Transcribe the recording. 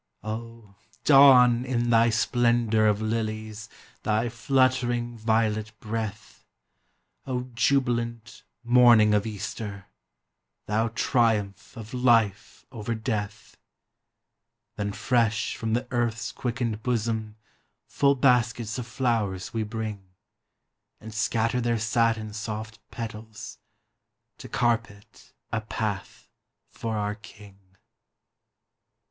Oh, dawn in thy splendor of lilies, Thy fluttering violet breath, Oh, jubilant morning of Easter, Thou triumph of life oyer death ! Then fresh from the earth's quickened bosom Full baskets of flowers we bring, And scatter their satin soft petals To carpet a path for our King.